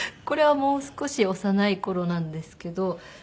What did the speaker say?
これはもう少し幼い頃なんですけど。